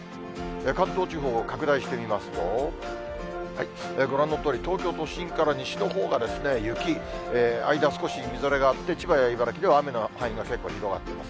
関東地方を拡大してみますと、ご覧のとおり、東京都心から西のほうが雪、間、少しみぞれがあって、千葉や茨城では雨の範囲が結構広がっています。